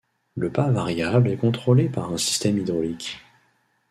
Le pas variable est contrôlé par un système hydraulique.